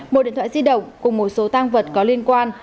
một điện thoại di động cùng một số tăng vật có liên quan